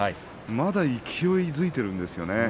まだ勢いづいているんですよね。